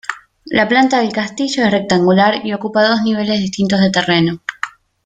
La planta del castillo es rectangular y ocupa dos niveles distintos de terreno.